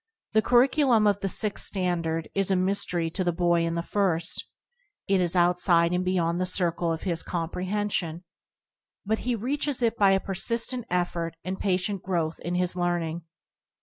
The cur riculum of the sixth standard is a mystery to the boy in the first ; it is outside and be yond the circle of his comprehension; but [ 7] he reaches it by persistent effort and patient growth in learning.